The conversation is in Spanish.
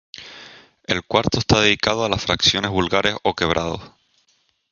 El cuarto está dedicado a las fracciones vulgares o quebrados.